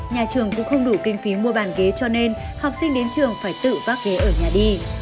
nhà trường cũng không đủ kinh phí mua bàn ghế cho nên học sinh đến trường phải tự vác ghế ở nhà đi